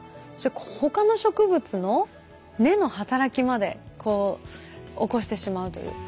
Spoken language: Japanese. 他の植物の根の働きまでこう起こしてしまうという。